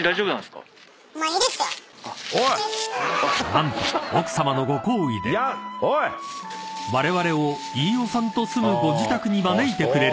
［何と奥さまのご厚意でわれわれを飯尾さんと住むご自宅に招いてくれることに］